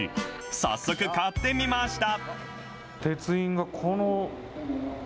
早速買ってみました。